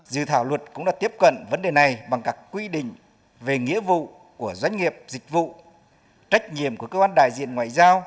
dự thảo luật cũng đã tiếp cận vấn đề này bằng các quy định về nghĩa vụ của doanh nghiệp dịch vụ trách nhiệm của cơ quan đại diện ngoại giao